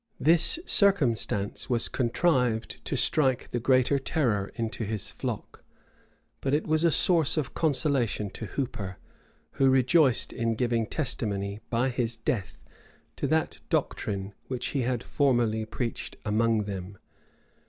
This circumstance was contrived to strike the greater terror into his flock; but it was a source of consolation to Hooper, who rejoiced in giving testimony, by his death, to that doctrine which he had formerly preached among them.